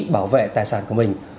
bảo vệ tài sản của mình